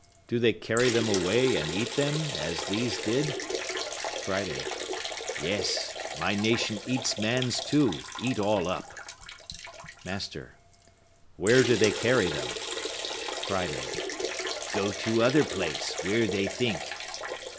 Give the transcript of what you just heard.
Do they carry them away and eat them, as these did? Friday.—Yes, my nation eat mans too; eat all up. Master.—Where do they carry them? Friday.—Go to other place, where they think.